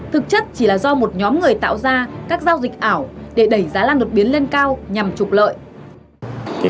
thực chất chỉ là do một nhóm người tạo ra các giao dịch ảo để đẩy giá lan đột biến lên cao nhằm trục lợi